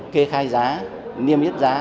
kê khai giá niêm yết giá